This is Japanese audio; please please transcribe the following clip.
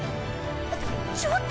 ちょちょっと！